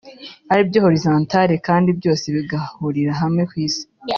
aribyo “orientation horizontale” (“horizontal orientation”) kandi byose bigahurira hamwe kw’isi